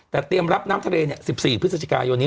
แต่เตรียมรับน้ำทะเล๑๔พฤศจิกายนนี้